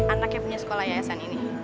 anak yang punya sekolah yayasan ini